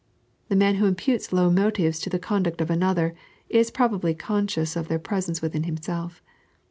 The man who imputes low motives to the conduct of another, is probably conscious of their presence within himself.